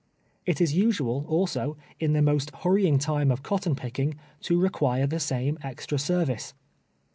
It is nsual, also, in the most hurrying time of cotton picking, to require the same extra service.